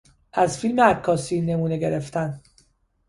از فیلم عکاسی نمونه گرفتن